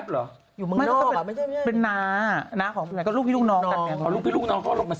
แล้วก็ลบ